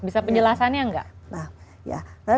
bisa penjelasannya nggak